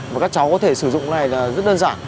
và các cháu có thể sử dụng cái này rất đơn giản